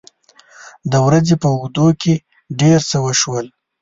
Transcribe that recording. د ورځې په اوږدو کې ډېر څه وشول.